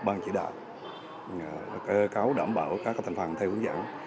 ban chỉ đạo cơ cáo đảm bảo các thành phần theo hướng dẫn